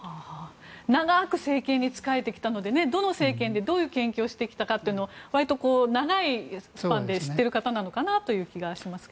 長く政権に仕えてきたのでどの政権でどの研究をしてきたのかをわりと長いスパンで知ってる方なのかなという気がしますけど。